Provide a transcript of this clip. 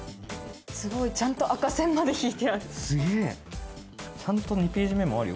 すごい、ちゃんと赤線まで引いてある。